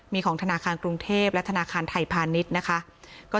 มีของธนาคารกรุงเทพและธนาคารไทยพาณิชย์นะคะ